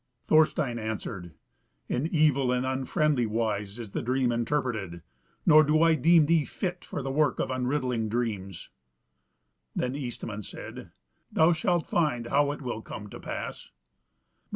Thorstein answered: "In evil and unfriendly wise is the dream interpreted, nor do I deem thee fit for the work of unriddling dreams." Then Eastman said, "Thou shalt find how it will come to pass."